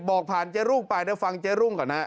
บอกผ่านเจ๊รุ่งไปเดี๋ยวฟังเจ๊รุ่งก่อนฮะ